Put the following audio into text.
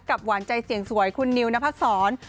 หวานใจเสียงสวยคุณนิวนพัดศร